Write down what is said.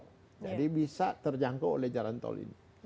jadi bisa terjangkau oleh jalan tol ini